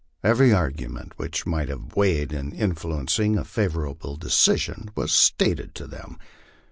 Every argument which might have weight in influencing a favorable decision was stated to them.